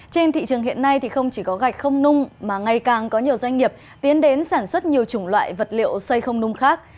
trên thị trường hiện nay không chỉ có gạch không nung mà ngày càng có nhiều doanh nghiệp tiến đến sản xuất nhiều chủng loại vật liệu xây không nung khác